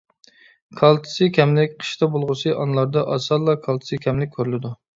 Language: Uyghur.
كالتسىي كەملىك: قىشتا بولغۇسى ئانىلاردا ئاسانلا كالتسىي كەملىك كۆرۈلىدۇ.